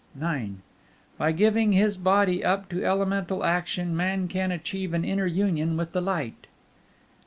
IX By giving his body up to elemental action, man can achieve an inner union with the Light.